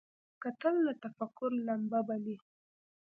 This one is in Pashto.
کتل د تفکر لمبه بلي